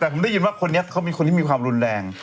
แต่ผมได้ยินว่าคนนี้เขามีความรุนแรง